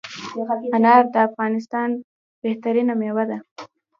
انار دافغانستان بهترینه میوه ده